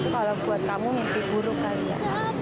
kalau buat kamu mimpi buruk kali ya